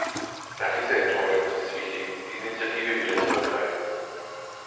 Nach dieser Enttäuschung ist es wichtig, die Initiative wieder zu ergreifen.